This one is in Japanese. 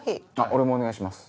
俺もお願いします。